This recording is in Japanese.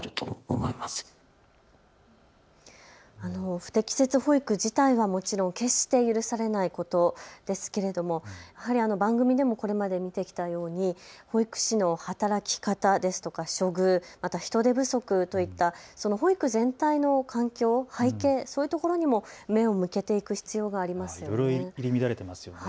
不適切保育自体がもちろん決して許されないことですけれどもやはり番組でもこれまで見てきたように保育士の働き方ですとか処遇、人手不足といった保育全体の環境、背景そういうところにも目を向けていく必要がありますよね。